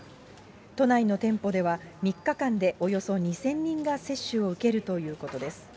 都内の店舗では、３日間でおよそ２０００人が接種を受けるということです。